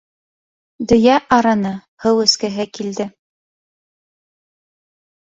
Дөйә арыны, һыу эскеһе килде.